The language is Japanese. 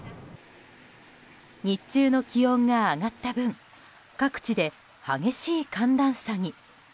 日中の気温が上がった分各地で激しい寒暖差に。